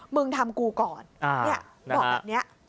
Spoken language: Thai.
มึงทำกูก่อนเนี่ยบอกแบบเนี่ย